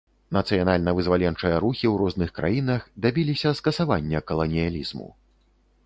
Нацыянальна-вызваленчыя рухі ў розных краінах дабіліся скасавання каланіялізму.